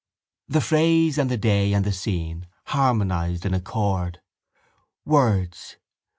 The phrase and the day and the scene harmonised in a chord. Words.